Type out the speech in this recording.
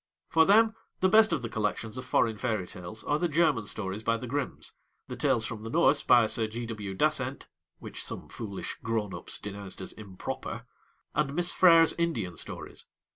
For them the best of the collections of foreign fairy tales are the German stories by the Grimms, the Tales from the Norse, by Sir G. W. Dasent, (which some foolish 'grown ups' denounced as 'improper'), and Miss Frere's Indian stories.